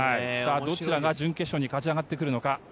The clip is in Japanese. どちらが準決勝に勝ち上がるか。